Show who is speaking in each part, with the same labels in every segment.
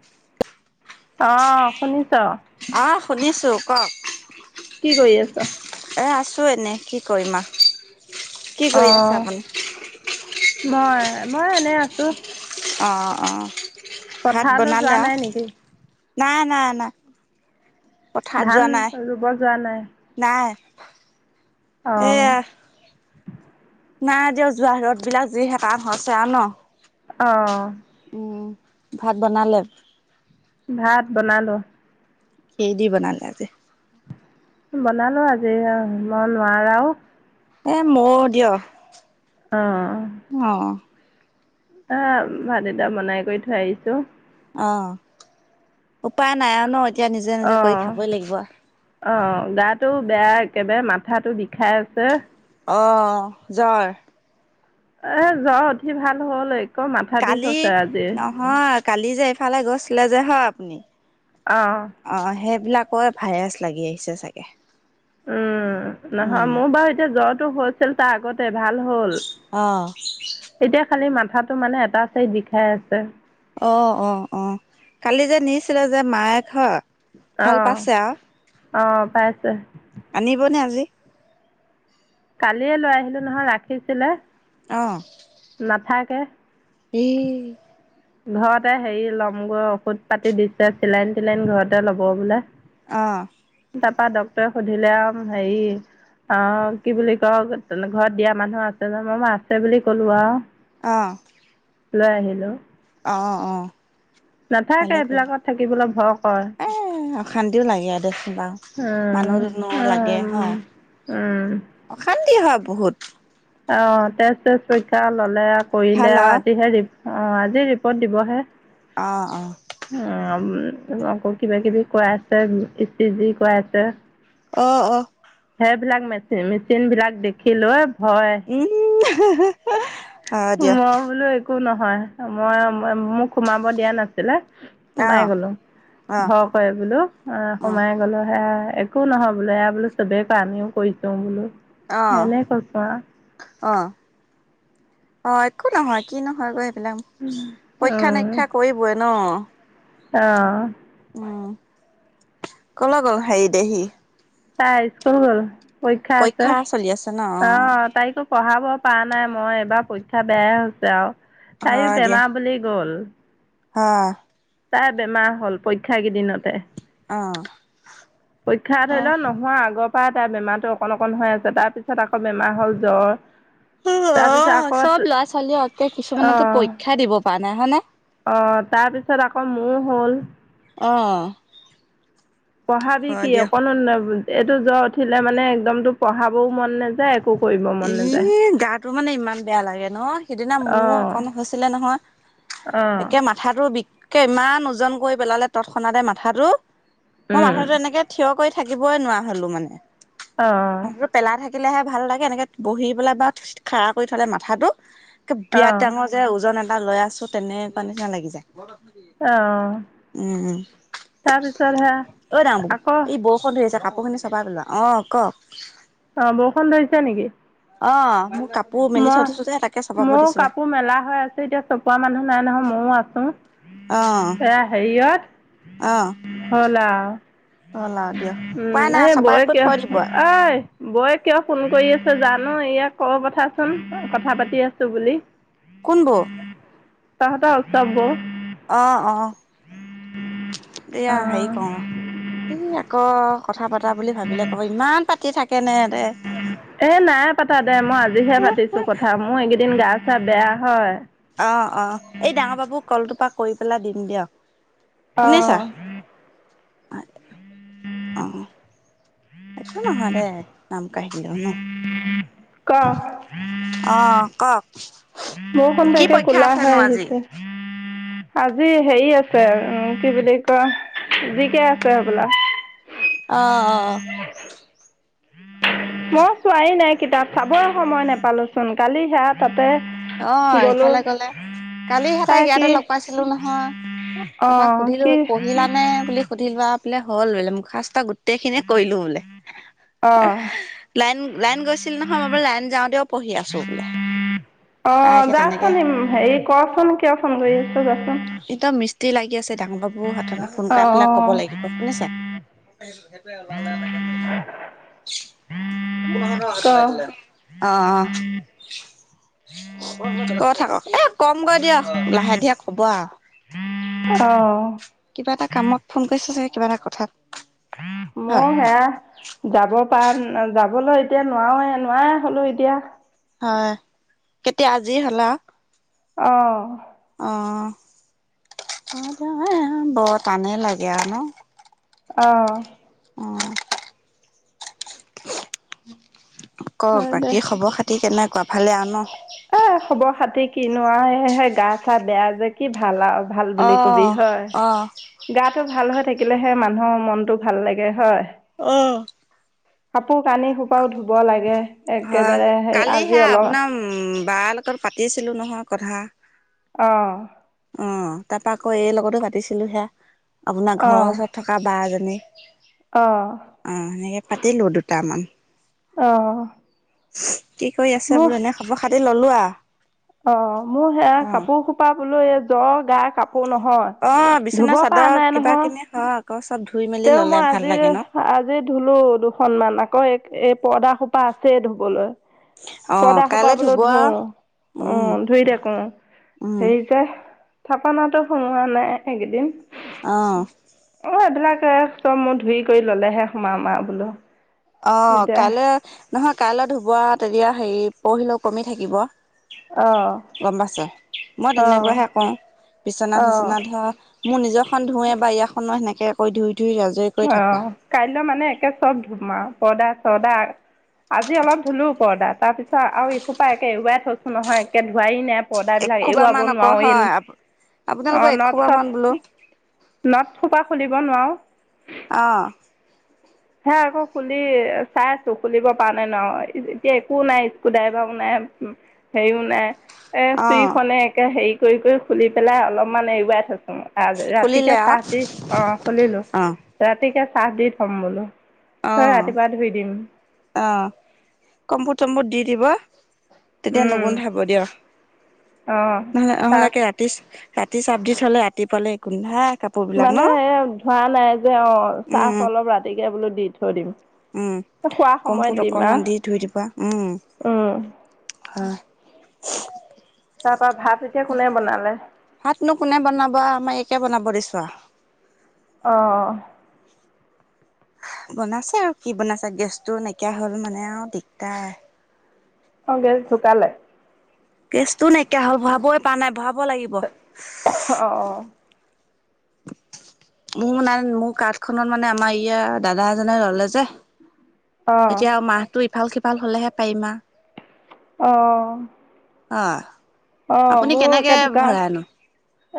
Speaker 1: [inaudible]
Speaker 2: অঁ, শুনিছ?
Speaker 1: অঁ শুনিছো, কওক।
Speaker 2: কি কৰি আছা?
Speaker 1: এ আছো এনেই কি কৰিম আও।
Speaker 2: অ, মই মই এনে আছো।
Speaker 1: অহ, ভাত
Speaker 2: পথাৰলৈ যোৱা
Speaker 1: বনালা?
Speaker 2: নাই নেকি?
Speaker 1: না না না। পথাৰত
Speaker 2: ধান
Speaker 1: যোৱা নাই?
Speaker 2: ৰুব যোৱা নাই?
Speaker 1: নাই।
Speaker 2: অ'
Speaker 1: এয়া। নাই দিয়ক যোৱা ৰ'দ বিলাক যিহে তান হৈছে আৰু ন'।
Speaker 2: অঁ।
Speaker 1: উম, ভাত বনালে?
Speaker 2: ভাত বনালো।
Speaker 1: কি দি বনালে আজি?
Speaker 2: বনালো আজি অঁ মই নোৱাৰাও।
Speaker 1: এ মইয়ো দিয়ক।
Speaker 2: অঁহ।
Speaker 1: অঁ।
Speaker 2: অ, ভাত কেইটা বনাই কৰি থৈ আহিছো।
Speaker 1: অ, উপায় নাই আৰু ন'এতিয়া নিজে নিজে কৰি
Speaker 2: অ'
Speaker 1: খাবই লাগিব।
Speaker 2: অ, গাটো বেয়া একেবাৰে মাথাটো বিষাই আছে।
Speaker 1: অ জ্বৰ।
Speaker 2: এ জ্বৰ উঠি ভাল হলেই
Speaker 1: কালি নহয় কালি যে এইফালে গৈছিলে যে হয় আপুনি।
Speaker 2: অ।
Speaker 1: অ' সেইবিলাকৰ ভাইৰাছ লাগি আহিছে চাগে।
Speaker 2: উম,
Speaker 1: উম
Speaker 2: নহয় মোৰ বাৰু এতিয়া জ্বৰটো হৈছিল তাৰ আগতে ভাল হ'ল।
Speaker 1: অ'।
Speaker 2: এতিয়া খালি মাথাটো মানে এটা চাইড বিখাই আছে।
Speaker 1: অ অ, অ কালি যে নিছিলে যে মায়ে খ ভাল
Speaker 2: অ',
Speaker 1: পাইছে আৱ
Speaker 2: অ', পাইছে।
Speaker 1: আনিবনে আজি।
Speaker 2: কালিয়ে লৈ আহিলো নহয় ৰাখিছিলে।
Speaker 1: অহ
Speaker 2: নাথাকে।
Speaker 1: এহ
Speaker 2: ঘৰতে হেৰি ল'মগৈ ঔষধ পাতি দিছে চিলাইন-তিলাইন ঘৰতে ল'ব বোলে।
Speaker 1: অহ
Speaker 2: তাৰপা ডক্তৰে সুধিলে আও হেৰি অ' কি বুলি কয় তেনে ঘৰত দিয়া মানুহ আছে জানো মই আছে বুলি ক'লো আও
Speaker 1: অ।
Speaker 2: লৈ আহিলোঁ।
Speaker 1: অ, অ।
Speaker 2: নাথাকে
Speaker 1: ভালে কৰিলি।
Speaker 2: এইবিলাকত থাকিবলে ভয় কৰে।
Speaker 1: এ অশান্তিও লাগে দে চোন বাও মানুহ
Speaker 2: উম,
Speaker 1: দুনুহ লাগে
Speaker 2: উম,
Speaker 1: হয়
Speaker 2: উম।
Speaker 1: অশান্তি হয় বহুত।
Speaker 2: অ' তেজ চেজ পৰীক্ষা ল'লে কৰিলে
Speaker 1: ভাল
Speaker 2: আও
Speaker 1: আৰু
Speaker 2: আজিহে ৰি অ' আজি ৰিপৰ্ট দিবহে
Speaker 1: অ অ
Speaker 2: অ আ উ আকৌ কিবা কিবি কৰাইছে ই চি জি কৰাইছে।
Speaker 1: অ অ
Speaker 2: সেইবিলাক মেচিন মেচিন বিলাক দেখিলৈ ভয়
Speaker 1: উ হা, হা, হা
Speaker 2: মই বোলো একো নহয় মই মই ম মোক সোমাব দিয়া নাছিলে। সোমাই
Speaker 1: অ',
Speaker 2: গ'লো
Speaker 1: অ',
Speaker 2: ভয় কৰে বোলো অ
Speaker 1: উম
Speaker 2: সোমাই গ'লো সেয়া এ একো নহয় বোলে এয়া বোলো চবেই কৰে আমি কৰিছো বোলো।
Speaker 1: অহ
Speaker 2: এনে কৈছোঁ আৰু
Speaker 1: অহ অ' একো নহয় কি নহয় গৈ সেইবিলাক
Speaker 2: অ অ
Speaker 1: উম কলৈ গ'ল হেৰি দেহি।
Speaker 2: তাই স্কুল গ'ল পৰীক্ষা আছে
Speaker 1: চলি আছে ন
Speaker 2: অ তাইকো পঢ়াব পৰা নাই মই এইবাৰ পৰীক্ষা বেয়াই হৈছে আৱ তাইয়ো বেমাৰ বুলি গ'ল।
Speaker 1: অ
Speaker 2: তাই বেমাৰ হ'ল পৰীক্ষা কেইদিনতে।
Speaker 1: অ
Speaker 2: পৰীক্ষা
Speaker 1: অ অ
Speaker 2: ধৰি লও নোহোৱা আগৰ পৰা তাৰ বেমাৰটো অকণ অকণ হৈ আছে তাৰপিছত আকৌ বেমাৰ হ'ল জ্বৰ [inaudible] তাৰপিছত
Speaker 1: অঁ'
Speaker 2: আকৌ
Speaker 1: চব ল'ৰা ছোৱালীঅ য়েকে কিছুমানেটো, পৰীক্ষা দিব পৰা নাই হয় নে?
Speaker 2: অঁ' তাৰপিছত আকৌ মোও হ'ল।
Speaker 1: অঁ'
Speaker 2: পঢ়াবি কি অকনো, এইটো জ্বৰ উঠিলে মানে একদমটো পঢ়াবও মন নাযায়- কৰিব মন নাযায়।
Speaker 1: ইহ গাটো মানে ইমান বেয়া লাগে ন, সিদিনা মোৰ অকন হৈছিলে নহয়-
Speaker 2: অঁ'
Speaker 1: একে মাথাটো বিককে ইমান ওজন কৰি পেলালে তৎক্ষণাতে মাথাটো, মই
Speaker 2: উম।
Speaker 1: মাথাটো এনেকে- থিয় কৰি থাকিবই নোৱাৰা হ'লো মানে।
Speaker 2: অঁ' অঁ'
Speaker 1: হাঁহটো পেলাই থাকিলেহে ভাল লাগে, এনেকে বহি পেলাই বা খাৰা কৰি থ'লে মাথাটো বিৰাট
Speaker 2: অ'
Speaker 1: ডাঙৰ- যে ওজন এটা লৈ আছো, তেনেকুৱা নিচিনা লাগি যায়।
Speaker 2: অঁহ'
Speaker 1: উম উম
Speaker 2: তাৰপিছত হে আকৌ-
Speaker 1: ক'ত ধৰিছে কাপোৰখিনি চপাই পেলোৱা অঁ' ক'।
Speaker 2: অঁ' বৰষুণ ধৰিছে নেকি?
Speaker 1: অঁ' মোৰ কাপ-
Speaker 2: ময় মোৰো কাপোৰ মেলা হৈ আছে এতিয়া- চপোৱা মানুহ নাই নহয় মও আছো
Speaker 1: অ
Speaker 2: এয়া হেৰিয়ত-
Speaker 1: অ
Speaker 2: হ'ল
Speaker 1: হ'ল দিয়ক
Speaker 2: আৰু
Speaker 1: উপাই নাই
Speaker 2: উম' এই
Speaker 1: চপাই
Speaker 2: বৌৱে
Speaker 1: কৰি
Speaker 2: কিবা
Speaker 1: থৈ দিব
Speaker 2: অই- বৌৱে কিয় ফোন কৰি আছে জানো? এয়াক কৈ পথাচোন কথা পাতি আছো বুলি।
Speaker 1: কোন বৌ?
Speaker 2: তহতৰ ওচৰ বৌ।
Speaker 1: অঁ' অঁ' এইয়া
Speaker 2: অ'
Speaker 1: হেৰি- অঁ' এই আকৌ কথা পতা বুলি ভাবিলে ক'ব ইমান পাতি থাকেনে এতে।
Speaker 2: এ নাই পাতা দে মই আজিহে পাতিছো কথা মোৰ এইগেইদিন গা চা বেয়া হয়।
Speaker 1: অঁ অঁ' এই ডাঙৰ বাবুক কলটো পা কৰি পেলাই দিম দিয়ক, শুনিছা?
Speaker 2: অ'
Speaker 1: অঁ' একো নহয় দে নাম কাঢ়িলেও ন'।
Speaker 2: ক'
Speaker 1: অ', কওক
Speaker 2: বৰষুণ টো
Speaker 1: কি
Speaker 2: একে
Speaker 1: পৰীক্ষা
Speaker 2: কলা হৈ
Speaker 1: আছেনো আজি?
Speaker 2: আহিছে। আজি হেৰি আছে উম, কি বুলি ক- ৰহ যিকে আছে হবলা।
Speaker 1: অঁ অঁ অঁ'। [unintelligible]
Speaker 2: মই ছোৱাই নাই কিতাপ চাবই সময় নাপালোচোন কালি সেয়া তাতে-
Speaker 1: অঁ'
Speaker 2: গ'লো
Speaker 1: এইফালে গ'লে কালিহেঁ
Speaker 2: তাই
Speaker 1: তাইক ইয়াতে
Speaker 2: কি
Speaker 1: লগ পাইছিলো নহয়।
Speaker 2: অ
Speaker 1: এপাক সুধিলো
Speaker 2: কি
Speaker 1: পঢ়িলা নে বুলি সুধিলো আপ- বোলে হ'ল বোলে মুখষ্ট গোটেই খিনিয়ে কৰিলো বোলে।
Speaker 2: অ
Speaker 1: লাইন লাইন গৈছিল নহয় মই বোলো লাইন যাওঁতেও পঢ়ি আছোঁ বোলে।
Speaker 2: অঁ'
Speaker 1: তাইকে তেনেকে
Speaker 2: যাচোন হেৰি কচোন কিয় ফোন কৰি আছে যাচোন।
Speaker 1: এতিয়া মিস্ত্ৰী লাগি আছে ডাঙৰ বাবু হতক ফোন
Speaker 2: অ
Speaker 1: কৰাই
Speaker 2: অ
Speaker 1: পেলাই ক'ব লাগিব। শুনিছে? একো নহয় ধৰ
Speaker 2: ক
Speaker 1: সেটো মাৰি দিলে। অঁ অঁ' কয় থাকক এ কম গৈ দিয়ক লাহে ধীৰে কব আ।
Speaker 2: অঅ'।
Speaker 1: কিবা এটা কামত ফোন কৰিছ চাগে, কিবা এটা কথাত।
Speaker 2: মও
Speaker 1: হয়
Speaker 2: সেয়া যাব পা যাবলৈ এতিয়া নোৱাওৱে নোৱাৰাই হ'লোঁ এতিয়া।
Speaker 1: হয়, কেতিয়া আজি হ'ল আও
Speaker 2: অ
Speaker 1: অ', বৰ টানে লাগে আৱ ন?
Speaker 2: অঁ
Speaker 1: অ কওক
Speaker 2: হয় দে
Speaker 1: বাকী খবৰ খাতি কেনেকুৱা ভালে আৰু ন?
Speaker 2: এ খবৰ খাতি কিনো আৱ হে গাচা বেয়া যে কি ভাল আও ভাল
Speaker 1: অ
Speaker 2: বুলি কবি হয়।
Speaker 1: অ
Speaker 2: গাটো ভাল হৈ থাকিলেহে মানুহৰ মনটো ভাল লাগে হয়।
Speaker 1: অ'।
Speaker 2: কাপোৰ কানি সোপাও ধুব লাগে
Speaker 1: হয়,
Speaker 2: একেবাৰে সেই আজি
Speaker 1: কালিহে
Speaker 2: অলপ
Speaker 1: আপোনাৰ বাৰ লগত পাতিছিলোঁ নহয় কথা।
Speaker 2: অ'।
Speaker 1: অ', তাৰপা আকৌ এই লগতো পাতিছিলোহে আপোনাৰ ঘৰৰ ওচৰত থকা বা এজনী।
Speaker 2: অ'।
Speaker 1: অ, সেনেকৈ পাতিলোঁ দুটামান।
Speaker 2: অ
Speaker 1: কি কৰি আছে বোলো এনেই খবৰ খাতি ললো আ
Speaker 2: অ, মোৰ সেয়া কাপোৰ সোপা বোলো এই জ্বৰ গা কাপোৰ নহয়
Speaker 1: অ', বিচনা
Speaker 2: ধুব পৰা
Speaker 1: চাদৰ
Speaker 2: নাই
Speaker 1: কিবা
Speaker 2: নহয়
Speaker 1: কিনি হও আকৌ চব ধুই মেলি
Speaker 2: তেও
Speaker 1: ললে
Speaker 2: মই
Speaker 1: ভাল
Speaker 2: আজি
Speaker 1: লাগে ন।
Speaker 2: আজি ধুলো দুখনমান আকৌ এক এই পৰ্দা সোপা আছেই ধুবলৈ।
Speaker 1: অ
Speaker 2: পৰ্দা
Speaker 1: কাইলৈ
Speaker 2: সোপাবলো
Speaker 1: ধুব
Speaker 2: ধুও
Speaker 1: আও
Speaker 2: উম ধুই থাকো।
Speaker 1: উম
Speaker 2: হেৰি যে থাপনাতো সোমোৱা নাই এইকেইদিন
Speaker 1: অ
Speaker 2: অ এইবিলাক এ চব মই ধুই কৰি ললেহে সোমাম আও বোলো।
Speaker 1: অ
Speaker 2: এতিয়া
Speaker 1: কাইলৈ নহয় কাইলৈ ধুবা তেতিয়া হেৰি পৰহিলো কমি থাকিব।
Speaker 2: অ
Speaker 1: গম পাইছে মই
Speaker 2: অ
Speaker 1: তেনেকুৱাহে কওঁ বিচনা
Speaker 2: অ
Speaker 1: চিচনা ধৰ মোৰ নিজৰখন ধুৱে বা ইয়াখনো সেনেকে কৈ ধুই ধুই আজৰি কৰি থাকোঁ
Speaker 2: অ', কাইলৈ মানে একে চব ধুম আও পৰ্দা চৰদা আজি অলপ ধুলো পৰ্দা তাৰপিছত আৰু ইসোপা একে এৰুৱাই থৈছোঁ নহয় একে ধুৱাই নাই আৰু পৰ্দা বিলাক
Speaker 1: এসোবা
Speaker 2: এৰুৱাব
Speaker 1: মান আকৌ
Speaker 2: নোৱাওয়েন
Speaker 1: হয়
Speaker 2: অ
Speaker 1: আপোনালোকৰ এসোবা মান
Speaker 2: নট-চট
Speaker 1: বোলো
Speaker 2: নটসোপা খুলিব নোৱাও
Speaker 1: অ
Speaker 2: হে আকৌ খুলি চাই আছোঁ খুলিব পাৰোঁ নে নোৱাও এতিয়া একো নাই স্কু ড্ৰাইভাৰো নাই হেইও নাই এ
Speaker 1: অ
Speaker 2: চুৰিখনে একে হেৰি কৰি খুলি পেলাই অলপমান এৰুৱাই থৈছো মই
Speaker 1: খুলিলে
Speaker 2: ৰাতিকে
Speaker 1: আও
Speaker 2: চাপ দি অ খুলিলো,
Speaker 1: অ
Speaker 2: ৰাতিকে চাপ দি থ'ম বোলো।
Speaker 1: অ
Speaker 2: তই ৰাতিপুৱা ধুই দিম
Speaker 1: অ কম্পু টম্পু দি দিব তেতিয়া নুগোন্ধাব দিয়
Speaker 2: অঁ
Speaker 1: নহলে
Speaker 2: চাহ
Speaker 1: নহ'লেকে ৰা তি ৰাতি চাব দি থলে ৰাতিপুৱালে গোন্ধাই কাপ
Speaker 2: মানে এ ধোৱা মা নাই যে অ চাফ
Speaker 1: উম
Speaker 2: অলপ ৰাতিকে বোলো দি থৈ দিম।
Speaker 1: উম
Speaker 2: খোৱা সময়ত
Speaker 1: কম্ফৰ্ত
Speaker 2: দিম
Speaker 1: অকনমান দি ধুই দিবা উম।
Speaker 2: আৰু
Speaker 1: হয়।
Speaker 2: তাৰপৰা, ভাত এতিয়া কোনে বনালে?
Speaker 1: ভাতনো, কোনে বনাব, আমাৰ একে বনাব দিছো, আৰু।
Speaker 2: অ,
Speaker 1: বনাইছে আৰু কি বনাইছে, গেছটো নাইকিয়া হ'ল মানে আৰু দিগদাৰ।
Speaker 2: অ, গেছ ঢুকালে।
Speaker 1: গেছতটো নাইকিয়া হ'ল, ভৰাবই পৰা নাই ভৰাব লাগিব।
Speaker 2: অ, অ,
Speaker 1: মোৰ নাই মোৰ কাৰাঠ খনত, মানে আমাৰ ইয়াৰ দাদা এজনে ললে যে
Speaker 2: অ
Speaker 1: এতিয়া মাহতটো, ইফাল সিফাল হ'লে হে পাৰিম‌, আ
Speaker 2: অ,
Speaker 1: হয়,
Speaker 2: অ
Speaker 1: আপুনি
Speaker 2: মোৰ একে
Speaker 1: কেনেকে
Speaker 2: ঢুকাও
Speaker 1: ভৰাই‌ নো?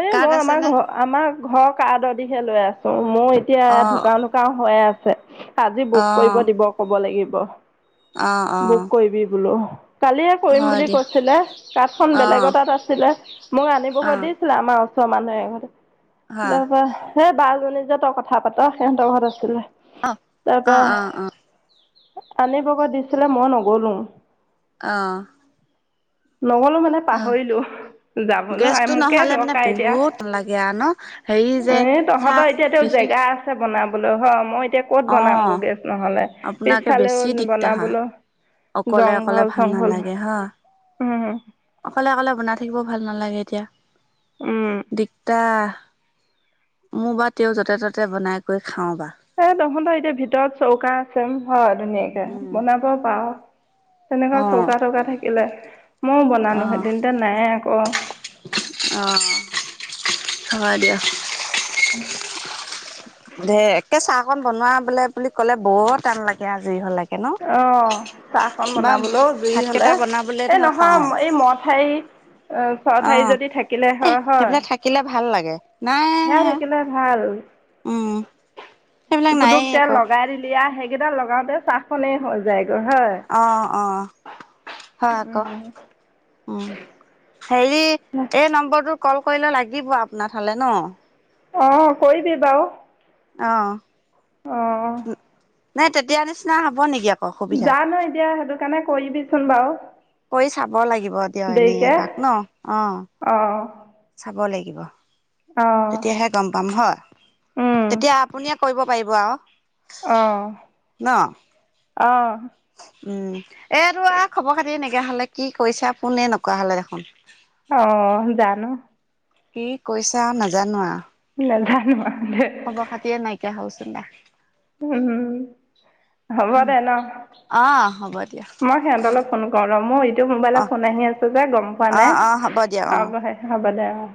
Speaker 2: এই, মই আমাৰ ঘৰ, আমাৰ ঘৰ, কৰদদিহে লৈ আছো, মোৰ এতিয়া,
Speaker 1: অ
Speaker 2: ধোকাও ও, হৈয়ে আছে, আজি বুক কৰিব
Speaker 1: অ
Speaker 2: দিব ক'ব লাগিব।
Speaker 1: অ',
Speaker 2: বুক
Speaker 1: অ',
Speaker 2: কৰিব বোলো। কালিয়ে কৰিম
Speaker 1: হয়
Speaker 2: বুলি
Speaker 1: দিয়া
Speaker 2: কৈছিলে, কাৰ্দখন বেলেগ
Speaker 1: অ',
Speaker 2: তাত আছিলে, মোক আনিব গৈ
Speaker 1: অ',
Speaker 2: দি ছিলে, আমাৰ ওচৰৰ মানুহ এঘৰত
Speaker 1: হয়।
Speaker 2: তাৰপা সেই বাজনী যে, তই কথা পাত, সিহঁতৰ ঘৰত আছিলে
Speaker 1: অ',
Speaker 2: তাৰপা
Speaker 1: অ', অ', অ',
Speaker 2: আনিবগৈ দিছিলে, মই নগ'লো।
Speaker 1: অ,
Speaker 2: নগ'লো মানে,
Speaker 1: অ',
Speaker 2: পাহৰিলো। যাবলৈ
Speaker 1: গেছটো
Speaker 2: মোকে
Speaker 1: নহ'লে মানে
Speaker 2: দৰকাৰ এতিয়া,
Speaker 1: বহুত লাগে আৰু ন' হেৰি যে
Speaker 2: এই
Speaker 1: চাহ
Speaker 2: তহঁতৰ এতিয়াতেও
Speaker 1: বিশেষ
Speaker 2: জেগা বনাবলৈ হয়, মই এতিয়া। ক'ত বনাম
Speaker 1: অ',
Speaker 2: গৈ, নহ'লে গেছ নহ'লে
Speaker 1: আপোনাকে বেছি
Speaker 2: পিছফালেও
Speaker 1: দিগদাৰ হয়।
Speaker 2: বনাবলৈ।
Speaker 1: অকলে অকলে ভাল
Speaker 2: জংঘল-চংঘল হয়, উম, উম,
Speaker 1: অকলে-অকলে বনাই থাকিব ভাল নালাগে এতিয়া।
Speaker 2: উম,
Speaker 1: দিগদাৰ, মোৰ বা তেওঁক য'তে, ত'তে বনাই কৰি খাওঁ বা।
Speaker 2: এই তহঁতৰ এতিয়া ভিতৰত চৌকা আছে, হয় ধুনীয়াকে
Speaker 1: উম,
Speaker 2: বনাব পাৰ। তেনেকুৱা
Speaker 1: অ',
Speaker 2: চৌকা-তৌকা থাকিলে, ময়ো বনালো
Speaker 1: অ',
Speaker 2: হতিন, এতিয়া নাই আকৌ।
Speaker 1: অ, হ'ব দিয়ক। ঢেৰ, একে চাহকন বনোৱা বোলে, বুলি ক'লে বৰ টান লাগে আৰু জুই লাগে ন?
Speaker 2: অ, চাহখন
Speaker 1: বা
Speaker 2: বনাবলৈও, জুই হ'লে,
Speaker 1: ভাতকেইটা বনাবলৈ
Speaker 2: এই
Speaker 1: ধৰা
Speaker 2: নহয়
Speaker 1: পাওঁ
Speaker 2: এই ময়া ঠাই। ছ,
Speaker 1: অ
Speaker 2: ঠাৰি যদি থাকিলে
Speaker 1: এ
Speaker 2: হৈ, হয়।
Speaker 1: সেইবিলাক থাকিলে ভাল লাগে, নাই।
Speaker 2: সেয়া থাকিলে, ভাল।
Speaker 1: উম, সেইবিলাক নায়েই
Speaker 2: পুটুকে
Speaker 1: আকৌ
Speaker 2: লগাই দিলি আৰু, সেইগিদাল লগাওঁতে চাহখনে হৈ যায়গৈ হয়।
Speaker 1: অ, অ, হয় আকৌ।
Speaker 2: উম,
Speaker 1: উম, হেৰি এই নম্বৰটোৰ ক'ল কৰিলে লাগিব আপোনাৰ ঠাইলে ন?
Speaker 2: অ, কৰিবি বাওঁ।
Speaker 1: অ,
Speaker 2: অ,
Speaker 1: নাই, তেতিয়া নিচিনা হ'ব নেকি? আকৌ সুবিধা
Speaker 2: জানো, এতিয়া সেইটো কাৰণে কৰি দিবিচোন বাৰু।
Speaker 1: কৰি চাব লাগিব দিয়ক, এনেই এপাক ন, অ'।
Speaker 2: অ', অ'।
Speaker 1: চাব লাগিব।
Speaker 2: অহ'।
Speaker 1: তেতিয়াহে গম পাম হয়, তেতিয়া আপুনিয়ে কৰিব পাৰিব আৰু।
Speaker 2: অহ',
Speaker 1: ন
Speaker 2: অ'।
Speaker 1: উম, এইটো আৰু খবৰ-খাতি নইকিয়া হ'লে, কি কৰিছা ফোনে নকৰা হ'লে দেখোন।
Speaker 2: অ' জানো।
Speaker 1: কি কৈছা নাজানা আৰু।
Speaker 2: নাজানো আৰু দেই।
Speaker 1: খবৰ খাতিয়ে নাইকিয়া হ'ল চোন, তাৰ।
Speaker 2: উম, হ'ব দে ন।
Speaker 1: অ হ'ব দিয়া
Speaker 2: মই সিহঁতৰলৈ ফোন কৰো ৰহ, মোৰ ইটো
Speaker 1: অ
Speaker 2: মোবাইলৰ ফোন আহি আছো যে, গম পোৱা
Speaker 1: অ
Speaker 2: নাই
Speaker 1: অ হ'ব দিয়া অ
Speaker 2: চাওঁ গৈ হে। হ'ব‌‌ দে অহ'।